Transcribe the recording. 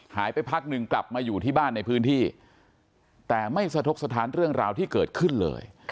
พักหนึ่งกลับมาอยู่ที่บ้านในพื้นที่แต่ไม่สะทกสถานเรื่องราวที่เกิดขึ้นเลย